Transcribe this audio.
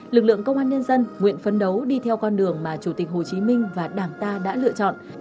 lực lượng công an nhân dân nguyện phấn đấu đi theo con đường mà chủ tịch hồ chí minh và đảng ta đã lựa chọn